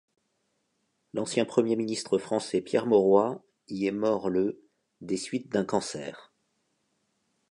L'ancien premier ministre français Pierre Mauroy y est mort le des suites d'un cancer.